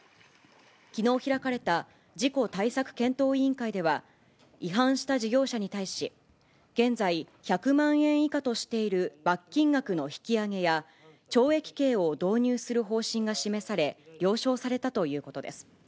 きのう開かれた事故対策検討委員会では、違反した事業者に対し、現在、１００万円以下としている罰金額の引き上げや、懲役刑を導入する方針が示され、了承されたということです。